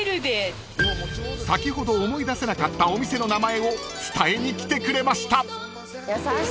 ［先ほど思い出せなかったお店の名前を伝えに来てくれました］